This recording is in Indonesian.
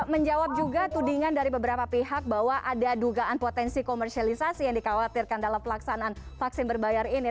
menjawab juga tudingan dari beberapa pihak bahwa ada dugaan potensi komersialisasi yang dikhawatirkan dalam pelaksanaan vaksin berbayar ini